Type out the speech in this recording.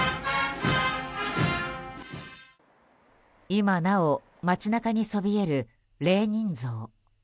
今もなお街中にそびえるレーニン像。